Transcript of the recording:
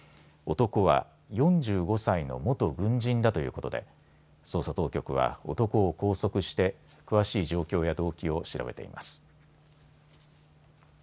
男は４５歳の元軍人だということで捜査当局は男を拘束して詳しい状況や動機を調べています。